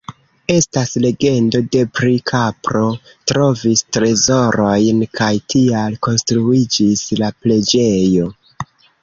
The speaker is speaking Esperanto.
Estas legendo de pri: kapro trovis trezorojn kaj tial konstruiĝis la preĝejo.